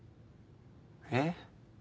えっ。